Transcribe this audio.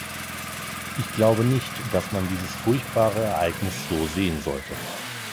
Ich glaube nicht, dass man dieses furchtbare Ereignis so sehen sollte.